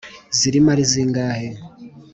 ziri mo ari zingahe’